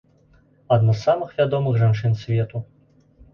Адна з самых вядомых жанчын свету.